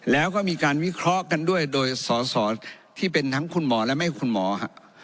แล้วก็มีการวิเคราะห์กันด้วยโดยสอสอที่เป็นทั้งคุณหมอและไม่คุณหมอฮะ